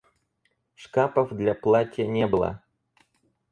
Шкапов для платья не было.